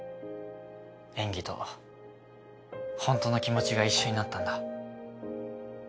演技と本当の気持ちが一緒になったんだ。